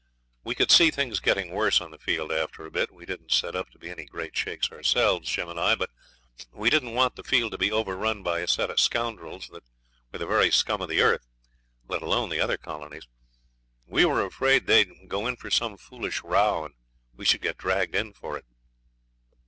We could see things getting worse on the field after a bit. We didn't set up to be any great shakes ourselves, Jim and I; but we didn't want the field to be overrun by a set of scoundrels that were the very scum of the earth, let alone the other colonies. We were afraid they'd go in for some big foolish row, and we should get dragged in for it.